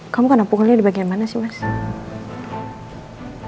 kamu kena pukul dia dibagian mana sih mas lives